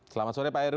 selamat sore pak heru